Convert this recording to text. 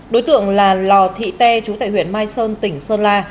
đối tượng là lò thị tê chú tại huyện mai sơn tỉnh sơn la